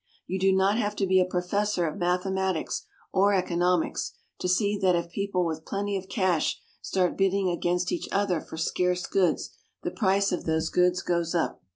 You do not have to be a professor of mathematics or economics to see that if people with plenty of cash start bidding against each other for scarce goods, the price of those goods goes up.